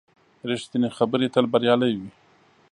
ریښتینې خبرې تل بریالۍ وي.